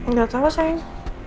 gak tau sayang